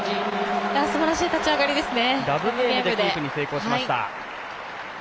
すばらしい立ち上がりですね。